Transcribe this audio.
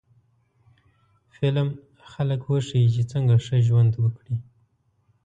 فلم خلک وښيي چې څنګه ښه ژوند وکړي